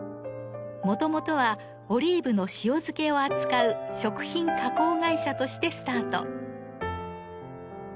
もともとはオリーブの塩漬けを扱う食品加工会社としてスタート。